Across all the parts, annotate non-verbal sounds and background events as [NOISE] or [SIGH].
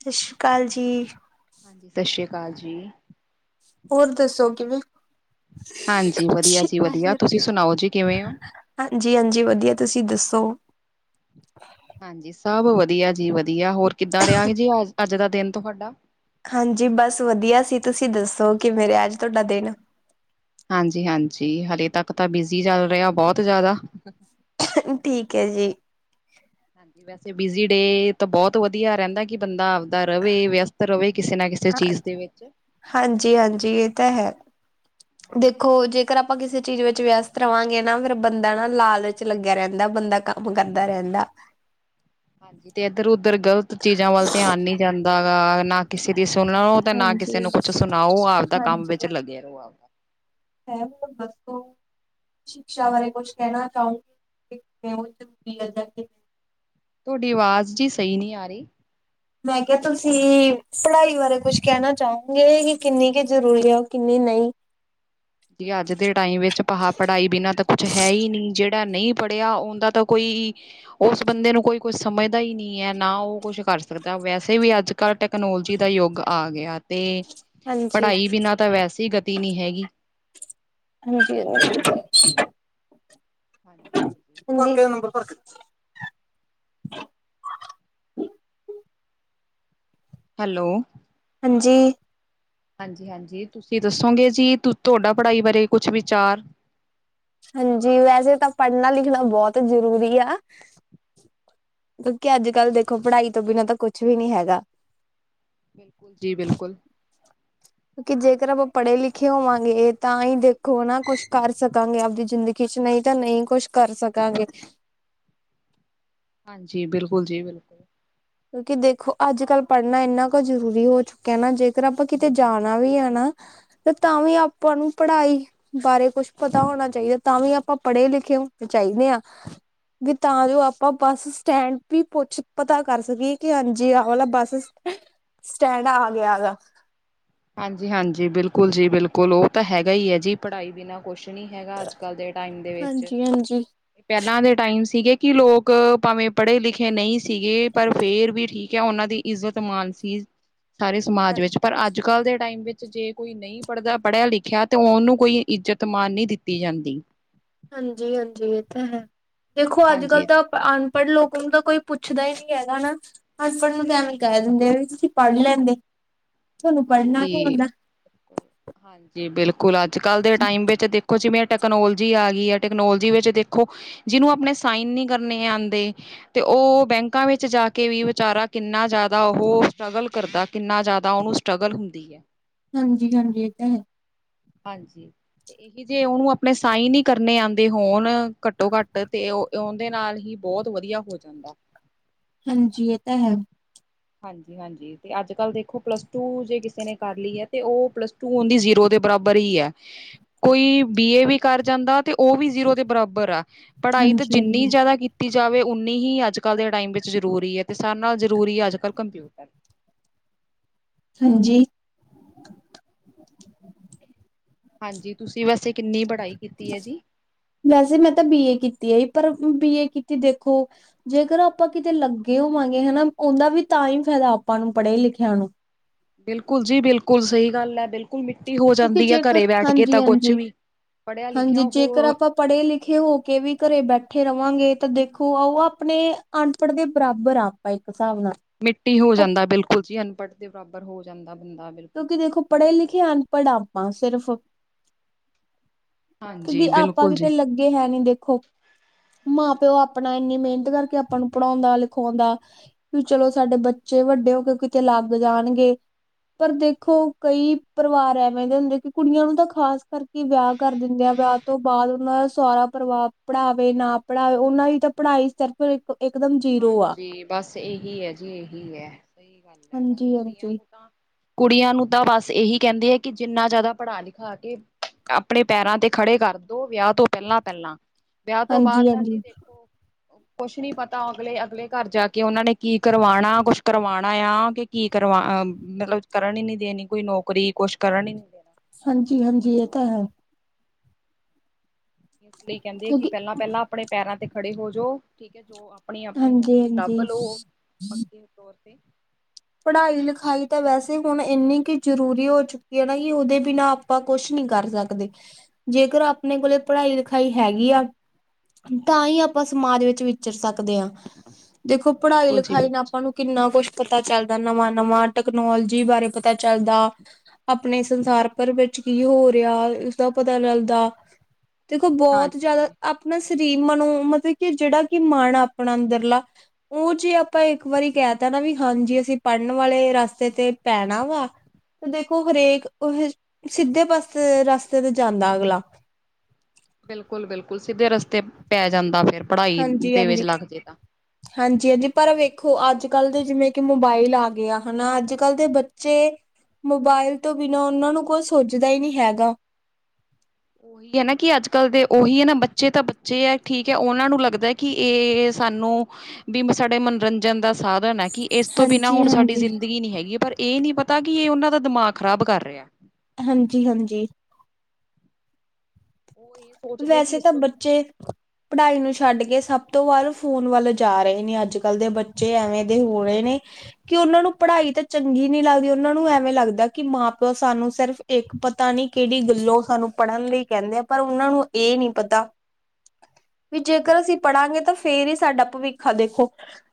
ਸਤਿ ਸ਼੍ਰੀ ਅਕਾਲ ਜੀ। ਹਾਂਜੀ, ਸਤਿ ਸ਼੍ਰੀ ਅਕਾਲ ਜੀ। ਹੋਰ ਦੱਸੋ ਕਿਵੇਂ। ਹਾਂਜੀ, ਵਧੀਆ ਜੀ, ਵਧੀਆ ਤੁਸੀਂ ਸੁਣਾਓ ਜੀ ਕਿਵੇਂ ਹੋ? ਹਾਂਜੀ, ਹਾਂਜੀ ਵਧੀਆ ਤੁਸੀਂ ਦੱਸੋ? ਹਾਂਜੀ ਸਭ ਵਧੀਆ, ਜੀ ਵਧੀਆ, ਹੋਰ ਕਿੱਦਾਂ ਰਿਹਾ ਜੀ ਅੱਜ ਦਾ ਦਿਨ ਤੁਹਾਡਾ? ਹਾਂਜੀ, ਬਸ ਵਧੀਆ ਸੀ, ਤੁਸੀਂ ਦੱਸੋ ਕਿਵੇਂ ਅੱਜ ਤੁਹਾਡਾ ਦਿਨ? ਹਾਂਜੀ ਹਾਂਜੀ ਹਾਲੇ ਤੱਕ ਤਾਂ ਬਿਜ਼ੀ ਚੱਲ ਰਹੇ ਹਾਂ ਬਹੁਤ ਜ਼ਿਆਦਾ। ਠੀਕ ਹੈ ਜੀ। ਹਾਂਜੀ, ਵੈਸੇ ਬਿਜੀ ਰਹੇ ਤਾਂ ਬਹੁਤ ਵਧੀਆ ਰਹਿੰਦਾ। ਕਿ ਬੰਦਾ ਆਪਦਾ ਰਵੇ ਵਿਅਸਤ ਰਵੇ ਕਿਸੇ ਨਾ ਕਿਸੇ ਹਾਂ ਚੀਜ਼ ਦੇ ਵਿੱਚ। ਹਾਂਜੀ ਹਾਂਜੀ ਇਹ ਤਾਂ ਹੈ। ਹਾਂਜੀ ਦੇਖੋ ਹਾਂਜੀ ਜੇਕਰ ਆਪਾਂ ਕਿਸੇ ਚੀਜ਼ ਵਿੱਚ ਵਿਅਸਤ ਰਵਾਂਗੇ ਨਾ ਫੇਰ ਬੰਦਾ ਨਾ ਲਾਲਚ ਲੱਗਿਆ ਰਹਿੰਦਾ ਬੰਦਾ ਕੰਮ ਭੁਗਤਦਾ ਰਹਿੰਦਾ। ਹਾਂਜੀ ਤੇ ਇੱਧਰ ਉਧਰ ਗ਼ਲਤ ਚੀਜ਼ਾਂ ਵੱਲ ਧਿਆਨ ਨੀ ਜਾਂਦਾ ਗਾ ਨਾ। ਕਿਸੇ ਦੀ ਸੁਣੋ ਤੇ ਨਾ ਹਾਂਜੀ। ਕਿਸੇ ਨੂੰ ਕੁਛ ਸੁਣਾਓ ਆਪਦਾ ਕੰਮ ਹਾਂਜੀ ਵਿੱਚ ਲੱਗੇ ਰਹੋ। ਹੈ ਉਹ ਦੱਸ ਦੋ। ਸ਼ਿਕਸ਼ਾ ਬਾਰੇ ਕੁਛ ਕਹਿਣਾ ਚਾਹੂੰਗੀ ਕਿ ਕਿ ਉਹ ਜ਼ਰੂਰੀ ਹੈ ਕਿ। ਤੁਹਾਡੀ ਆਵਾਜ਼ ਜਿਹੀ ਸਹੀ ਨਹੀਂ ਆ ਰਹੀ। ਮੈਂ ਕਿਹਾ ਤੁਸੀਂ ਪੜ੍ਹਾਈ ਬਾਰੇ ਕੁਛ ਕਹਿਣਾ ਚਾਹੋਗੇ ਕਿ ਕਿੰਨੀ ਕੁ ਜ਼ਰੂਰੀ ਆ ਉਹ ਕਿੰਨੀ ਨਹੀਂ। ਜ ਅੱਜ ਦੇ ਟਾਈਮ ਵਿੱਚ ਪ ਪੜ੍ਹਾਈ ਬਿਨਾ ਤਾਂ ਕੁਛ ਹੈ ਹੀ ਨਹੀਂ ਜਿਹੜਾ ਨਹੀਂ ਪੜ੍ਹਿਆ ਉਹਦਾ ਤਾਂ ਕੋਈ। ਉਸ ਬੰਦੇ ਨੂੰ ਕੋਈ ਕੁਛ ਸਮਝਦਾ ਹੀ ਨਹੀਂ ਹੈ ਨਾ ਉਹ ਕੁਛ ਕਰ ਸਕਦਾ ਵੈਸੇ ਵੀ ਅੱਜ। ਕੱਲ ਟੈਕਨੋਲੋਜੀ ਦਾ ਯੁੱਗ ਆ ਗਿਆ। ਤੇ ਹਾਂਜੀ ਪੜ੍ਹਾਈ ਬਿਨਾਂ ਤਾਂ ਵੈਸੇ ਗਤੀ ਨਹੀਂ ਹੈਗੀ। ਹੁਣ ਕੀ। ਹਾਂਜੀ ਹਾਂਜੀ। ੰਰ [INAUDIBLE] ਹੈਲੋ ਹਾਂਜੀ ਹਾਂਜੀ, ਹਾਂਜੀ ਤੁਸੀਂ ਦੱਸੋਗੇ ਜੀ ਤੁਹਾਡਾ ਪੜ੍ਹਾਈ ਬਾਰੇ ਕੁਛ ਵਿਚਾਰ। ਹਾਂਜੀ, ਵੈਸੇ ਤਾਂ ਪੜ੍ਹਨਾ ਲਿਖਣਾ ਬਹੁਤ ਜ਼ਰੂਰੀ ਆ। ਕਿਉਂਕਿ ਅੱਜ ਕੱਲ ਦੇਖੋ ਪੜ੍ਹਾਈ ਤੋਂ ਬਿਨਾਂ ਤਾਂ ਕੁਛ ਵੀ ਨੀ ਹੈਗਾ। ਜੀ ਬਿਲਕੁਲ। ਕਿਉਕਿ ਜੇਕਰ ਆਪਾਂ ਪੜ੍ਹੇ ਲਿਖੇ ਹੋਵਾਂਗੇ ਤਾਂ ਹੀ ਦੇਖੋ ਨਾ ਕੁਛ ਕਰ ਸਕਾਂਗੇ ਆਪਦੀ ਜ਼ਿੰਦਗੀ। ਜਿੰਦਗੀ ਵਿੱਚ ਕੁਛ ਨਹੀਂ ਤਾਂ ਨਹੀਂ ਕੁਛ ਕਰ ਸਕਾਂਗੇ। ਹਾਂਜੀ, ਬਿਲਕੁਲ ਜੀ, ਬਿਲਕੁਲ। ਕਿਉਂਕਿ ਦੇਖੋ ਅੱਜ ਕੱਲ੍ਹ ਪੜ੍ਹਨਾ ਇੰਨਾ ਕੁ ਜ਼ਰੂਰੀ ਹੋ ਚੁੱਕਿਆ ਨਾ। ਜੇਕਰ ਆਪਾਂ ਕਿਤੇ ਜਾਣਾ ਵੀ ਆ ਨਾ। ਤੇ ਤਾਂ ਵੀ ਆਪਾਂ ਨੂੰ ਪੜ੍ਹਾਈ। ਬਾਰੇ ਕੁਛ ਪਤਾ ਹੋਣਾ ਚਾਹੀਦਾ ਤਾਂ ਵੀ ਆਪਾਂ ਪੜ੍ਹੇ ਲਿਖੇ ਹੋਣੇ ਚਾਹੀਦੇ ਹਾਂ। ਵੀ ਤਾਂ ਜੋ ਆਪਾਂ ਬੱਸ ਸਟੈਂਡ ਵੀ ਪੁੱਛ ਪਤਾ। ਕਰ ਸਕੀਏ ਕਿ ਹਾਂਜੀ ਆਹ ਵਾਲਾ ਬੱਸ ਸਟੈਂਡ ਆ ਗਿਆ ਦਾ। ਹਾਂਜੀ, ਹਾਂਜੀ, ਬਿਲਕੁਲ ਜੀ, ਬਿਲਕੁਲ ਉਹ ਤਾਂ ਹੈਗਾ ਹੀ ਹੈ ਜੀ। ਪੜ੍ਹਾਈ ਬਿਨਾਂ ਕੁਛ ਨਹੀਂ ਹੈਗਾ ਅੱਜ ਕੱਲ੍ਹ ਦੇ ਟਾਈਮ ਦੇ ਵਿੱਚ। ਹਾਂਜੀ ਹਾਂਜੀ ਪਹਿਲਾਂ ਦੇ ਟਾਈਮ ਸੀਗੇ ਕਿ ਲੋਕ ਭਾਵੇਂ ਪੜ੍ਹੇ ਲਿਖੇ ਨਹੀਂ ਸੀਗੇ। ਪਰ ਫੇਰ ਵੀ ਠੀਕ ਹੈ ਉਹਨਾਂ ਦੀ ਇੱਜ਼ਤ ਮਾਨ ਸੀ ਸਾਰੇ ਸਮਾਜ ਵਿੱਚ ਪਰ ਅੱਜ ਕੱਲ ਦੇ ਟਾਈਮ ਵਿੱਚ ਜੇ ਕੋਈ ਨਹੀਂ। ਨਹੀਂ ਪੜ੍ਹਦਾ ਪੜ੍ਹਿਆ ਲਿਖਿਆ ਤੇ ਉਹਨੂੰ ਕੋਈ ਇੱਜਤ ਮਾਨ ਨਹੀਂ ਦਿੱਤੀ ਜਾਂਦੀ। ਹਾਂਜੀ, ਹਾਂਜੀ, ਇਹ ਤਾਂ ਹੈ, ਦੇਖੋ ਅੱਜ ਕੱਲ੍ਹ ਹਾਂਜੀ ਤਾਂ। ਅਨਪੜ੍ਹ ਲੋਕਾਂ ਨੂੰ ਤਾਂ ਕੋਈ ਪੁੱਛਦਾ ਹੀ ਨਹੀਂ ਹੈਗਾ ਨਾ। ਹਸਬੈਂਡ ਨੂੰ ਤੇ ਐਵੇਂ ਕਹਿ ਦਿੰਦੇ ਆ ਵੀ ਤੁਸੀਂ ਪੜ੍ਹ ਲੈਂਦੇ। ਤੁਹਾਨੂੰ ਪੜ੍ਹਨਾ ਨੀ ਹਾਂਜੀ ਆਉਂਦਾ ਹਾਂਜੀ ਬਿਲਕੁਲ ਅੱਜ ਕੱਲ ਦੇ ਟਾਈਮ ਵਿੱਚ ਦੇਖੋ ਜਿਵੇਂ ਟਕਨੋਲੋਜੀ ਆ ਗਈ ਆ ਟੈਕਨੋਲੋਜੀ ਵਿਚ ਦੇਖੋ ਜਿਹਨੂੰ ਆਪਣੇ ਸਾਈਨ ਨੀ ਕਰਨੇ ਆਂਦੇ। ਤੇ ਉਹ ਬੈਂਕਾਂ ਵਿੱਚ ਜਾ ਕੇ ਵੀ ਵਿਚਾਰਾ ਕਿੰਨਾ ਜਿਆਦਾ ਉਹ ਸਟਰਗਲ ਕਰਦਾ ਕਿੰਨਾ ਜ਼ਿਆਦਾ ਉਹ ਸਟ੍ਰਗਲ ਹੁੰਦੀ ਹੈ। ਹਾਂਜੀ ਹਾਂਜੀ ਇਹ ਤਾਂ ਹੈ। ਹਾਂਜੀ ਤੇ ਇਹੀ ਜੇ ਉਹਨੂੰ ਆਪਣੇ ਸਾਈਨ ਹੀ ਕਰਨੇ ਆਂਦੇ ਹੋਣ ਘੱਟੋ ਘੱਟ ਤੇ ਉਹ ਉਹਦੇ ਨਾਲ ਹੀ ਬਹੁਤ ਵਧੀਆ ਹੋ ਜਾਂਦਾ। ਹਾਂਜੀ ਇਹ ਤਾਂ ਹੈ। ਹਾਂਜੀ ਹਾਂਜੀ ਤੇ ਅੱਜ ਕੱਲ ਦੇਖੋ ਪਲੱਸ ਟੂ ਜੇ ਕਿਸੇ ਨੇ ਕਰ ਲਈ ਹੈ ਤੇ ਉਹ ਪਲੱਸ ਟੂ ਉਹਦੀ ਜ਼ੀਰੋ ਦੇ ਬਰਾਬਰ ਹੀ ਹੈ। ਕੋਈ ਬੀ ਏ ਵੀ ਕਰ ਜਾਂਦਾ ਤੇ ਉਹ ਵੀ ਜ਼ੀਰੋ ਦੇ ਬਰਾਬਰ ਆ ਪੜ੍ਹਾਈ ਤਾਂ ਹਾਂਜੀ ਹਾਂਜੀ ਜਿੰਨੀ ਜ਼ਿਆਦਾ। ਕੀਤੀ ਜਾਵੇਂ ਉਨੀਂ ਹੀ ਅੱਜ ਕੱਲ੍ਹ ਦੇ ਟਾਈਮ ਵਿੱਚ ਜ਼ਰੂਰੀ ਹੈ ਅਤੇ ਸਾਰਿਆਂ ਨਾਲ ਜ਼ਰੂਰੀ ਅੱਜ ਕੱਲ੍ਹ ਕੰਪਿਊਟਰ। ਹਾਂਜੀ ਹਾਂਜੀ, ਤੁਸੀਂ ਵੈਸੇ ਕਿੰਨੀ ਪੜ੍ਹਾਈ ਕੀਤੀ ਹੈ, ਜੀ। ਵੈਸੇ ਮੈਂ ਤਾਂ ਬੀ ਏ ਕੀਤੀ ਹੈ, ਪਰ ਬੀ ਏ ਕੀਤੀ ਦੇਖੋ। ਜੇ ਕਰ ਆਪਾਂ ਕਿਤੇ ਲੱਗੇ ਹੋਵਾਂਗੇ ਹਨਾ, ਉਹਦਾ ਵੀ ਤਾਂ ਹੀ ਫਾਇਦਾ ਆਪਾਂ ਨੂੰ ਪੜ੍ਹੇ ਲਿਖਿਆ ਨੂੰ। ਬਿਲਕੁਲ ਜੀ ਬਿਲਕੁਲ, ਸਹੀ ਗੱਲ ਹੈ, ਬਿਲਕੁਲ ਮਿੱਟੀ ਹੋ ਕਿਉਂਕਿ ਜਾਂਦੀ ਹੈ, ਘਰੇ ਜੇਕਰ ਬੈਠ ਕੇ ਹਾਂਜੀ ਤਾਂ ਕੁਛ ਹਾਂਜੀ ਵੀ। ਪੜ੍ਹਿਆ ਲਿਖਿਆ ਹਾਂਜੀ ਜੇਕਰ ਉਹ ਆਪਾਂ ਪੜ੍ਹੇ ਹਾਂਜੀ ਲਿਖੇ ਮਿ ਹੋ ਕੇ ਕੇ ਵੀ ਘਰੇ ਬੈਠੇ ਰਵਾਂਗੇ ਤਾਂ ਦੇਖੋ ਆਓ ਆਪਣੇ ਅਨਪੜ੍ਹ ਦੇ ਬਰਾਬਰ ਆ ਆਪਾਂ ਇੱਕ ਹਿਸਾਬ ਨਾਲ ਮਿੱਟੀ ਹੋ ਜਾਂਦਾ ਬਿਲਕੁਲ ਜੀ ਅਨਪੜ੍ਹ ਦੇ ਬਰਾਬਰ ਹੋ ਜਾਂਦਾ ਬੰਦਾ ਬਿਲਕੁਲ ਕਿਉਂਕਿ ਦੇਖੋ ਪੜ੍ਹੇ ਲਿਖੇ ਅਨਪੜ੍ਹ ਆਪਾਂ ਸਿਰਫ ਹਾਂਜੀ ਕਿਉਂਕਿ ਆਪਾਂ ਬਿਲਕੁਲ ਕਿਤੇ ਜੀ ਲੱਗੇ ਹੈ ਨੀ ਦੇਖੋ ਮਾਂ ਪਿਓ ਆਪਣਾ ਇੰਨੀ ਮਿਹਨਤ ਕਰਕੇ ਆਪਾਂ ਨੂੰ ਪੜ੍ਹਾਉਂਦਾ ਲਿਖਾਉਂਦਾ ਵੀ ਚਲੋ ਸਾਡੇ ਬੱਚੇ ਵੱਡੇ ਹੋ ਕੇ ਕਿਤੇ ਲੱਗ ਜਾਣਗੇ। ਪਰ ਦੇਖੋ ਕਈ ਪਰਿਵਾਰ ਐਵੇਂ ਦੇ ਹੁੰਦੇ ਕਿ ਕੁੜੀਆਂ ਨੂੰ ਤਾਂ ਖਾਸ ਕਰਕੇ ਵਿਆਹ ਕਰ ਦਿੰਦੇ ਆ ਵਿਆਹ ਤੋਂ ਬਾਅਦ ਉਹਨਾਂ ਦਾ ਸੋਹਰਾ ਪਰਿਵਾਰ ਪੜ੍ਹਾਵੇ ਨਾ ਪੜ੍ਹਾਵੇ ਉਹਨਾਂ ਦੀ ਤਾਂ ਪੜ੍ਹਾਈ ਫਿਰ ਇੱਕ ਇੱਕਦਮ ਜੀਰੋ ਆ ਹਾਂਜੀ ਬਸ ਇਹ ਹੀ ਹੈ ਜੀ ਇਹ ਹੀ ਹੈ ਸਹੀ ਗੱਲ ਹੈ ਬਸ ਕੁੜੀਆਂ ਹਾਂਜੀ-ਹਾਂਜੀ, ਨੂੰ ਤਾਂ ਕੁੜੀਆਂ ਨੂੰ ਤਾਂ ਬਸ ਇਹੀ ਕਹਿੰਦੇ ਆ ਕਿ ਜਿੰਨਾ ਜ਼ਿਆਦਾ ਪੜ੍ਹਾ ਲਿਖਾ ਕੇ ਆਪਣੇ ਪੈਰਾਂ ਤੇ ਖੜੇ ਕਰਦੋ ਵਿਆਹ ਤੋਂ ਪਹਿਲਾਂ ਪਹਿਲਾਂ ਵਿਆਹ ਤੋਂ ਬਾਅਦ ਆ ਜੀ ਹਾਂਜੀ-ਹਾਂਜੀ, ਦੇਖੋ ਕੁਛ ਨੀ ਪਤਾ ਤਾਂ ਅਗਲੇ ਅਗਲੇ ਘਰ ਜਾ, ਕੇ ਉਹਨਾਂ ਨੇ ਕੀ ਕਰਵਾਉਣਾ। ਕੁਛ ਕਰਵਾਉਣਾ ਆ, ਕਿ ਕੀ ਕਰਵਾ ਮਤਲਬ। ਕਰਨ ਹੀ ਨੀ ਦੇਣੀ ਕੋਈ ਨੌਕਰੀ ਕੁਛ ਕਰਨ ਹੀ ਨੀਂ ਹਾਂਜੀ ਹਾਂਜੀ, ਇਹ ਤਾਂ ਹੈ। ਇਸ ਲਈ ਕਹਿੰਦੇ ਐ ਕਿ ਕਿਉਂਕਿ ਪਹਿਲਾਂ ਪਹਿਲਾਂ ਆਪਣੇ ਪੈਰਾਂ ਤੇ ਖੜੇ ਹੋ ਜੋ ਠੀਕ ਹੈ ਜੋ ਆਪਣੀ ਆਪਣੀ ਨੌਕਰੀ ਲੱਭ ਹਾਂਜੀ-ਹਾਂਜੀ। ਲਓ ਪੱਕੇ ਤੌਰ ਤੇ। ਪੜ੍ਹਾਈ ਲਿਖਾਈ ਤਾਂ ਵੈਸੇ ਹੁਣ ਇੰਨੀ ਕੁ ਜ਼ਰੂਰੀ ਹੋ ਚੁੱਕੀ ਹੈ ਨਾ ਕਿ ਉਹਦੇ ਬਿਨਾਂ ਆਪਾਂ ਕੁਛ ਨਹੀਂ ਕਰ ਸਕਦੇ ਜ਼ੇਕਰ ਆਪਣੇ ਕੋਲੇ ਪੜ੍ਹਾਈ ਲਿਖਾਈ ਹੈਗੀ ਆ। ਤਾਂ ਹੀ ਆਪਾਂ ਸਮਾਜ ਵਿੱਚ ਵਿਚਰ ਸਕਦੇ ਹਾਂ। ਦੇਖੋ ਪੜ੍ਹਾਈ ਬਿਲਕੁਲ ਜੀ ਲਿਖਾਈ ਨਾਲ ਆਪਾਂ ਨੂੰ ਕਿੰਨਾ ਕੁਛ ਪਤਾ ਚੱਲਦਾ ਨਵਾਂ ਨਵਾਂ ਟੈਕਨੋਲੋਜੀ ਬਾਰੇ। ਪਤਾ ਚੱਲਦਾ ਆਪਣੇ ਸੰਸਾਰ ਭਰ ਵਿੱਚ ਕੀ ਹੋ ਰਿਹਾ ਉਸਦਾ ਪਤਾ ਲਗਦਾ ਦੇਖੋ ਬਹੁਤ ਜ਼ਿਆਦਾ। ਹਾਂਜੀ ਆਪਣਾ ਸ਼ਰੀਰ ਮਨੋ ਮਤਲਬ ਕਿ ਜਿਹੜਾ ਕਿ ਮਨ ਆਪਣਾ ਅੰਦਰਲਾ। ਉਹ ਜੇ ਆਪਾਂ ਇੱਕ ਵਾਰੀ ਕਹਿ ਤਾ ਨਾ ਵੀ ਹਾਂਜੀ ਅਸੀਂ ਪੜ੍ਹਨ ਵਾਲੇ ਰਸਤੇ ਤੇ ਪੈਣਾਂ ਵਾਂ ਤੇ ਦੇਖੋ ਹਰੇਕ ਉਹ ਸਿੱਧੇ ਪਾਸੇ ਰਸਤੇ ਤੇ ਜਾਂਦਾ ਅਗਲਾ। ਬਿਲਕੁਲ ਬਿਲਕੁਲ, ਸਿੱਧੇ ਰਸਤੇ ਪੈ ਜਾਂਦਾ ਫੇਰ। ਹਾਂਜੀ ਹਾਂਜੀ ਹਾਂਜੀ ਹਾਂਜੀ, ਪਰ ਵੇਖੋ ਅੱਜ ਕੱਲ੍ਹ ਦੇ ਜਿਵੇਂ ਕਿ ਮੋਬਾਇਲ ਆ ਗੇ ਆ ਹਨਾ ਅੱਜ ਕੱਲ ਦੇ ਬੱਚੇ। ਮੋਬਾਇਲ ਤੋਂ ਬਿਨਾਂ ਉਹਨਾਂ ਨੂੰ ਕੋਈ ਸੁਝਦਾ ਹੀ ਨਹੀਂ ਹੈਗਾ ਓਹੀ ਆ ਨਾ ਕਿ ਅੱਜ-ਕੱਲ ਦੇ ਓਹੀ ਆ ਨਾ, ਬੱਚੇ ਤਾਂ ਬੱਚੇ ਐ ਠੀਕ ਐ ਨਾ ਓਨਾਂ ਨੂੰ ਲੱਗਦੈ- ਕਿ ਏ ਸਾਨੂੰ ਬੀ ਸਾਡੇ ਮਨੋਰੰਜਨ ਦਾ ਸਾਧਨ ਐ। ਕਿ ਏਸ ਤੋਂ ਬਿਨਾਂ ਹੁਣ ਸਾਡੀ ਹਾਂਜੀ-ਹਾਂਜੀ, ਜ਼ਿੰਦਗੀ ਨੀ ਹੈਗੀ, ਪਰ ਏ ਨੀ ਪਤਾ ਕਿ ਏ ਓਨਾਂ ਦਾ ਦਿਮਾਗ ਖ਼ਰਾਬ ਕਾਰ ਰੇਆ। ਹਾਂਜੀ-ਹਾਂਜੀ। ਉਹ ਇਹ ਸੋਚਦੇ ਕਿ ਵੈਸੇ ਇਸ ਤਾ ਤੋਂ ਬਿਨਾਂ ਬੱਚੇ ਪੜਾਈ ਨੂੰ ਹਾਂਜੀ ਸਾ਼ਡ ਕੇ ਸਬ ਤੋਂ ਵੱਧ ਫੋਨ ਵੱਲ ਜਾ ਰਹੇ ਨੇ, ਆੱਜ-ਕਾੱਲ ਦੇ ਬੱਚੇ ਐਵੇਂ ਦੇ ਹੋ ਰਏ ਨੇ। ਕਿ ਓਨਾਂ ਨੂੰ ਪੜ੍ਹਾਈ ਤਾਂ ਚੰਗੀ ਨਈ ਲਾਗਦੀ, ਓਨਾਂ ਨੂੰ ਐਵੇਂ ਲਾੱਗਦਾ ਕਿ ਮਾਂ ਪੇਓ ਸਾਨੂੰ ਸੇਰਫ ਏਕ ਪਤਾ ਨੀ ਕੇੜੀ ਗੱਲੋਂ ਸਾਨੂੰ ਪੜ੍ਹਨ ਲਈ ਕੈਂਦੇ ਆ, ਪਰ ਓਨਾਂ ਨੂੰ ਏ ਨੀ ਪਤਾ ਵੀ ਜੇਕਰ ਅਸੀਂ ਪੜਾਂਗੇ ਤਾਂ ਫੇਰ ਈ ਸਾਡਾ ਭਵਿੱਖ ਆ ਦੇਖੋ।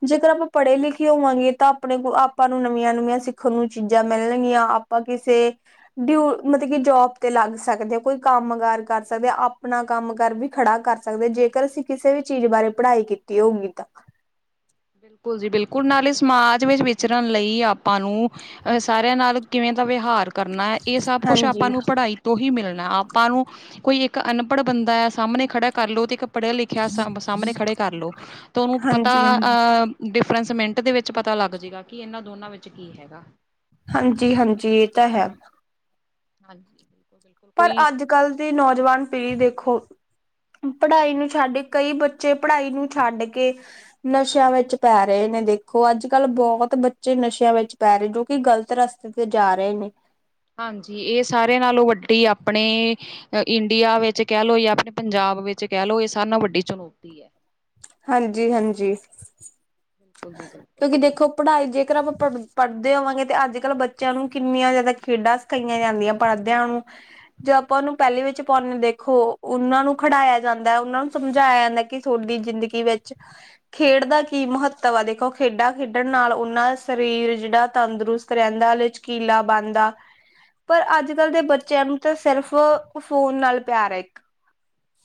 ਜੇਕਰ ਆਪਾਂ ਪੜੇ ਲਿਖੇ ਹੋਵਾਂਗੇ, ਤਾਂ ਆਪਣੇ ਕੋਲ ਆਪਾਂ ਨੂੰ ਨਮੀਆਂ-ਨਮੀਆਂ ਸਿੱਖਣ ਨੂੰ ਚੀਜਾ ਮੇਲ਼ਣਗੀਆਂ ਆਪ ਆਪਾਂ ਕਿਸੇ ਡਿਊ ਮਤਬ ਕਿ ਜੋਬ ਤੇ ਲਾੱਗ ਸਾਕਦੇ ਆ, ਕੋਈ ਕਾੰਮ-ਕਾਰ ਕਰ ਸਕਦੇ ਆਪ ਅਪਣਾ ਕਾੰਮ-ਕਾਰ ਵੀ ਖੜਾ ਕਾਰ ਸਕਦੇ, ਜੇਕਰ ਅਸੀਂ ਕਿਸੇ ਵੀ ਚੀਜ ਬਾਰੇ ਪੜ੍ਹਾਈ ਕੀਤੀ ਹੋਊਗੀ ਤਾਂ। ਬਿਲਕੁਲ ਜੀ, ਬਿਲਕੁਲ ਨਾਲੇ ਸਮਾਜ ਵਿੱਚ ਵਿਚਰਨ ਲਈ ਆਪਾਂ ਨੂੰ ਅ ਸਾਰੇਆਂ ਨਾਲ ਕਿਵੇਂ ਦਾ ਵੇਹਾਰ ਕਰਨਾ ਏ, ਏ ਸਬ ਕੁਛ ਆਪਾਂ ਹਾਂਜੀ। ਨੂੰ ਪੜ੍ਹਾਈ ਤੋਂ ਹੀ ਮਿਲਨਾ, ਆਪਾਂ ਨੂੰ ਕੋਈ ਇੱਕ ਅਨਪੜ ਬੰਦਾ ਐ ਸਾਮਣਨੇ ਖੜਾ ਕਾਰ ਲੋ ਤੇ ਏੱਕ ਪੜੇਆ ਲਿਖੇਆ ਸਾਮ, ਸਾਮਨੇ ਖੜੇ ਕਾਰਲੋ ਤਾਂ ਓਨੂੰ ਪਤਾ ਹਾਂਜੀ-ਹਾਂਜੀ, ਅ ਡਿਫਰੈਂਸ ਮੇਂਟ ਦੇ ਵਿੱਚ ਪਤਾ ਲਾੱਗ ਜੇਗਾ, ਕਿ ਏਨਾਂ ਦੋਨਾਂ ਵਿੱਚ ਕੀ ਹੈਗਾ। ਹਾਂਜੀ-ਹਾਂਜੀ, ਏ ਤਾ ਹੈ। ਹਾਂਜੀ। ਬਿਲਕੁਲ ਪਰ, ਕੋਈ ਆੱਜ-ਕਾੱਲ ਦੀ ਨੌਜਵਾਨ ਪੀੜੀ ਦੇਖੋ ਪੜਾਈ ਨੂੰ ਛਾੱਡ, ਕਈ ਬੱਚੇ ਪੜਾਈ ਨੂੰ ਛਾੱਡ ਕੇ ਨਸੇ਼ਆਂ ਵੇੱਚ ਪੈ ਰਏ ਨੇ ਦੇਖੋ, ਅੱਜ-ਕੱਲ ਬਹੋਤ ਬੱਚੇ ਨਸੇ਼ਆਂ ਵੇੱਚ ਪੈ ਰੇ ਜੋ ਕਿ ਗਲਤ ਰਸ ਤੇ ਜਾ ਰਏ ਨੇ। ਹਾਂਜੀ, ਏ ਸਾਰੇਆ ਨਾਲੋਂ ਵੱਡੀ ਆਪਣੇ ਇੰਡੀਆ ਵਿੱਚ ਕੈ ਲੋ ਯਾ ਆਪਣੇ ਪੰਜਾਬ ਵਿੱਚ ਕੈ ਲੋ ਏ ਸਾਰੇਆ ਨਾਲੋ ਵੱਡੀ ਚੁਨੌਤੀ ਐ। ਹਾਂਜੀ-ਹਾਂਜੀ। [INAUDIBLE] ਕੇਓਕਿ ਦੇਖੋ ਪੜਾਈ ਜੇਕਰ ਆਪਾਂ ਪੜ ਪੜਦੇ ਹੋਵਾਂਗੇ, ਤਾਂ ਆੱਜ-ਕਾੱਲ ਬੱਚੇਆਂ ਨੂੰ ਕਿੰਨੀਆਂ ਜਾਦਾ ਖੇਡਾਂ ਕਈਆਂ ਜਾਂਦੀਆਂ ਪੜਦੇਆਂ ਨੂੰ ਜੇ ਆਪਾਂ ਓਨੂੰ ਪੈਲੀ ਵਿੱਚ ਪੌਨੇ ਦੇਖੋ, ਉਨਾਂ ਨੂੰ ਖੜਾਯਾ ਜਾਂਦਾ ਉਨਾਂ ਨੂੰ ਸਮਝਾਏਆ ਜਾਂਦਾ ਕਿ ਥੋਡੀ ਜਿੰਦਗੀ ਵਿੱਚ ਖੇਡ ਦਾ ਕੀ ਮਹੱਤਵ ਤਵਾ ਦੇਖੋ ਖੇਡਾਂ ਖੇਡਣ ਨਾਲ਼ ਓਨਾਂ ਦਾ ਸਰੀਰ ਜੀਡਾ ਤੰਦਰੁਸਤ ਰੈਂਦਾ ਓਚ ਕੀਲਾ ਬਾਨਦਾ। ਪਰ ਆੱਜ-ਕਾੱਲ ਦੇ ਬਿਲਕੁਲ ਬੱਚੇਆਂ ਨੂੰ ਤਾਂ ਸੇਰਫ਼, ਫੋਨ ਨਾਲ ਪੇਆਰ ਆ ਏੱਕ।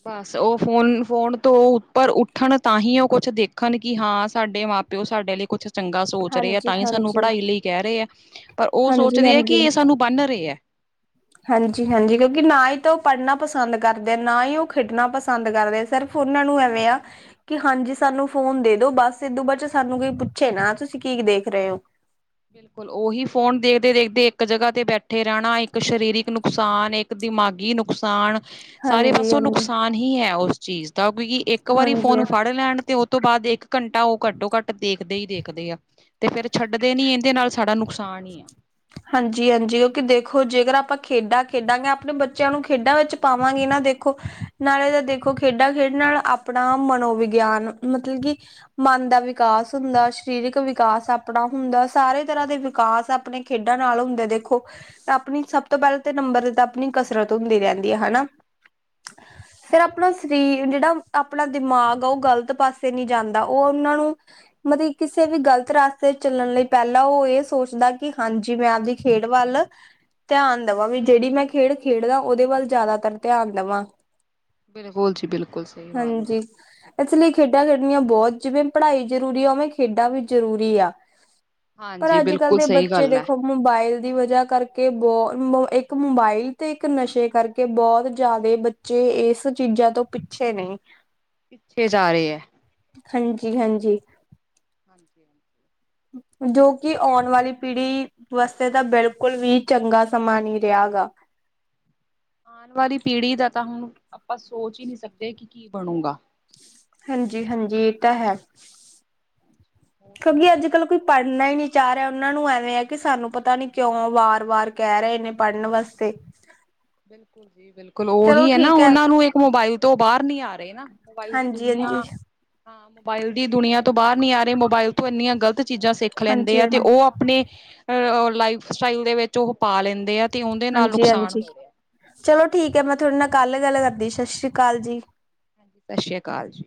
ਬਾਸ ਓ ਫੋਨ-ਫੋਨ ਤੋਂ ਓ ਉੱਪਰ ਉੱਠਣ, ਤਾਂਹੀ ਓ ਕੁਛ ਦੇਖਨ ਕਿ ਹਾਂ ਸਾਡੇ ਮਾ ਤੇ ਓ ਸਾਡੇ ਲਈ ਕੁੱਛ ਚੰਗਾ ਸੋਚ ਰੇ ਐ ਹਾਂਜੀ ਤਾਈ ਸਾਨੂੰ ਹਾਂਜੀ ਪੜ੍ਹਾਈ ਲਈ ਕੈ ਰਏ ਆ, ਪਰ ਓ ਹਾਂਜੀ ਸੋਚਦੇ ਆ ਕਿ ਏ ਸਾਨੂੰ ਬੰਨ੍ਹ ਰੇ ਆ। ਹਾਂਜੀ-ਹਾਂਜੀ, ਕੇਓਕਿ ਨਾ ਈ ਤਾਂ ਓ ਪੜ੍ਹਨਾ ਪਸੰਦ ਕਾਰਦੇ ਨਾ ਈ ਓ ਖੇਡਨਾ ਪਸੰਦ ਕਾਰਦੇ ਸੇਰਫ ਓਨਾਂ ਨੂੰ ਐਵੇਂ ਆ ਕੇ ਹਾਂਜੀ ਸਾਨੂੰ ਫੋਨ ਦੇ ਦੋ, ਬਾੱਸ ਇਦੋ ਬਾਚੋ ਕੋਈ ਸਾਨੂੰ ਕੋਈ ਪੁੱਛੇ ਨਾ ਤੁਸੀਂ ਕੀ ਦੇਖ ਰਏ ਓ। ਬਿਲਕੁ, ਲ ਓਹੀ ਫੋਨ ਦੇਖਦੇ-ਦੇਖਦੇ ਏਕ ਜਗਾ ਤੇ ਬੈਠੇ ਰੈਣਾ ਏਕ ਸ਼ਰੀਰਿਕ ਨੁਕਸਾਨ ਏ ਏਕ ਦਿਮਾਗੀ ਨੁਕਸਾਨ ਸਾਰੇ ਹਾਂਜੀ ਪਾਸੋਂ ਹਾਂਜੀ ਨੁਕਸਾਨ ਹੀ ਹੈ, ਓਸ ਚੀਜ਼ ਦਾ ਕਿਉਂਕਿ ਏਕ ਵਾਰੀ ਹਾਂਜੀ ਫੋਨ ਫਾੜ ਲੈਣ ਤੇ ਓ ਤੋਂ ਬਾਦ ਇੱਕ ਘੰਟਾ ਓ ਘੱਟੋ-ਘੱਟ ਦੇਖਦੇ ਈ ਦੇਖਦੇ ਆ, ਤੇ ਫੇਰ ਛੱਡਦੇ ਨੀ ਏਦੇ ਦੇ ਨਾਲ ਸਾਡਾ ਨੁਕਸਾਨ ਤਾਣੀ ਆ। ਹਾਂਜੀ-ਹਾਂਜੀ, ਓ ਕਿ ਦੇਖੋ ਜੇਕਰ ਆਪਾਂ ਖੇਡਾਂ ਖੇਡਾਂਗੇ ਆਪਨੇ ਬੱਚੇਆਂ ਨੂੰ ਖੇਡਾਂ ਵਿੱਚ ਪਾਵਾਂਗੇ ਨਾ ਦੇਖੋ, ਨਾਲੇ਼ ਤੇ ਦੇਖੋ ਖੇਡਾਂ ਖੇਡ ਨਾਲ ਆਪਣਾ ਮਨੋਵਿਗੇਆਨ ਮਤਲਬ ਕਿ ਮਨ ਦਾ ਵਿਕਾਸ ਹੁੰਦਾ, ਸ਼ਰੀਰਿਕ ਵਿਕਾਸ ਆਪਣਾ ਹੁੰਦਾ ਸਾਰੇ ਤਰ੍ਹਾਂ ਦੇ ਵਿ ਕਾਸ ਆਪਨੇ ਖੇਡਾਂ ਨਾਲ ਹੁੰਦੇ ਦੇਖੋ ਆਪਨੀ ਸਬ ਤੋਂ ਪੈਲ ਤੇ ਨੰਬਰ ਤੇ ਤਾਂ ਆਪਨੀ ਕਸਰਤ ਹੁੰਦੀ ਰੈਂਦੀ ਆ, ਹਨਾ। ਫੇਰ ਅਪਨਾ ਸਰੀਰ ਜੇੜਾ ਆਪਣਾ ਦਿਮਾਗ ਆ ਓ ਗਲਤ ਪਾਸੇ ਨੀ ਜਾਂਦਾ, ਓ ਓਨਾਂ ਨੂੰ ਮਤ ਕਿ ਕਿਸੇ ਵੀ ਗ਼ਲਤ ਰਾਸਤੇ 'ਚ ਚੱਲਣ ਲਈ ਪਹਿਲਾਂ ਓ ਏਸ ਸੋਚਦਾ ਕਿ ਹਾਂਜੀ ਮੈਂ ਆਪਦੀ ਖੇਡ ਵੱਲ ਧਿਆਨ ਦਵਾਂ ਵੀ ਜੇੜੀ ਮੈਂ ਖੇਡ ਖੇਡਦਾ, ਓਦੇ ਵੱਲ ਜ਼ਿਆਦਾਤਰ ਧਿਆਨ ਦਵਾਂ। ਬਿਲਕੁਲ ਜੀ ਬਿਲਕੁਲ, ਸਈ ਬਾਤ। ਹਾਂਜੀ [UNINTELLIGIBLE] ਇਸ ਲਈ ਖੇਡਾਂ ਖੇਡਣੀਆਂ ਬੋਤ ਜਿਵੇਂ ਪੜ੍ਹਾਈ ਜ਼ਰੂਰੀ ਆ, ਓਵੇਂ ਖੇਡਾਂ ਵੀ ਜ਼ਰੂਰੀ ਆ। ਹਾਂਜੀ ਬਿਲਕ ਕੱਲ ਦੇ ਬੱਚੇ ਦੇਖੋ ਮੋਬਾਇਲ ਦੀ ਵਜ੍ਹਾ ਕਰਕੇ, ਬੋਤ ਏਕ ਮੋਬਾਇਲ ਤੇ ਏਕ ਨਸ਼ੇ ਕਰਕੇ ਬੋਤ ਜਿਆਦੇ ਬੱਚ ਚੇ ਇਸ ਚੀਜ਼ਾਂ ਤੋਂ ਪਿੱਛੇ ਨੇ। ਪਿੱਛੇ ਜਾ ਰੇ ਐ। ਹਾਂਜੀ ਹਾਂਜੀ। ਹਾਂਜੀ-ਹਾਂਜੀ। ਜੋ ਕਿ ਆਉਣ ਵਾਲੀ ਪੀੜੀ ਵਾਸਤੇ ਤਾਂ ਬਿਲਕੁਲ ਵੀ ਚੰਗਾ ਸਮਾਂ ਨੀ ਰਿਹਾ ਹੈਗਾ। ਆਣ ਵਾਲੀ ਪੀੜ੍ਹੀ ਦਾ ਤਾਂ ਹੁਣ ਆਪਾਂ ਸੋਚ ਹੀ ਨੀ ਸਕਦੇ ਕਿ ਕੀ ਬਣੂਗਾ। ਹਾਂਜੀ-ਹਾਂਜੀ, ਏ ਤਾਂ ਹੈ। [INAUDIBLE] ਕਿਉਂਕਿ ਅੱਜ ਜੀ ਕੱਲ੍ਹ ਕੋਈ ਪੜ੍ਹਨਾ ਈ ਨੀ ਚਾਹ ਰਿਆ, ਓਨਾਂ ਨੂੰ ਐਵੇਂ ਐ ਕਿ ਸਾਨੂੰ ਪਤਾ ਨੀ ਕਿਉ ਵਾਰ-ਵਾਰ ਕਹਿ ਰਹੇ ਨੇ ਪੜ੍ਹਨ ਵਾਸਤੇ। [INAUDIBLE] ਬਿਲਕੁਲ ਜੀ ਬਿਲਕੁਲ, ਚਲੋ ਓਈ ਹੈ ਨਾ, ਠੀਕ ਓਨਾ ਨੂੰ ਇੱਕ ਮੋਬਾਈਲ ਤੋਂ ਬਾਰ ਨੀ ਆ ਰੇ ਨਾ। ਮੋਬਾਈਲ ਦੀ ਹਾਂਜੀ-ਹਾਂਜੀ, ਦੁਨੀਆਂ ਹਾਂ ਮੋਬਾਇਲ ਦੀ ਦੁਨੀਆਂ ਤੋਂ ਬਾਰ ਨੀ ਆ ਰੇ ਮੋਬਾਇਲ ਤੋਂ ਇੰਨੀਆਂ ਗਲਤ ਚੀਜ਼ਾਂ ਸਿੱਖ ਖ ਲੈਂਦੇ ਹਾਂਜੀ-ਹਾਂਜੀ, ਆ ਤੇ ਓ ਆਪਣੇ ਅ ਲਾਈਫ ਸਟਾਈਲ ਦੇ ਵਿੱਚ ਓ ਪਾ ਲੈਂਦੇ ਆ। ਤੇ ਉਹਦੇ ਨਾਲ ਨੁਕਸਾਨ ਹਾਂਜੀ-ਹਾਂਜੀ, ਹੋ ਰਿਹਾ ਚਲੋ ਠੀਕ ਐ, ਮੈਂ ਥੋਡੇ ਨਾਲ ਕੱਲ ਗੱਲ ਕਰਦੀ, ਸਸ ਸ਼੍ਰੀਕਾਲ ਜੀ। ਸਸ ਸ੍ਰੀਆ ਕਾਲ ਜੀ।